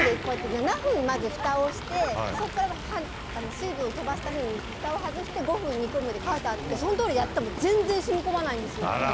７分まずふたをしてそこから水分を飛ばすためにふたを外して５分煮込むと書いてあってそのとおりやっても全然しみこまないんですよ。